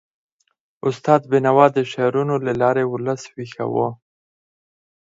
استاد بینوا د شعرونو له لارې ولس ویښاوه.